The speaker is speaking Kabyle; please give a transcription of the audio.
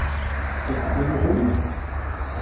Ad teddu yid-m?